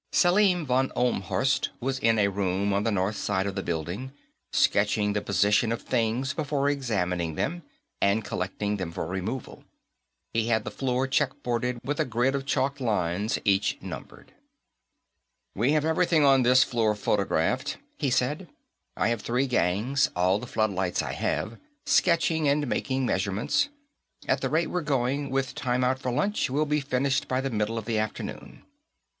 Selim von Ohlmhorst was in a room on the north side of the building, sketching the position of things before examining them and collecting them for removal. He had the floor checkerboarded with a grid of chalked lines, each numbered. "We have everything on this floor photographed," he said. "I have three gangs all the floodlights I have sketching and making measurements. At the rate we're going, with time out for lunch, we'll be finished by the middle of the afternoon."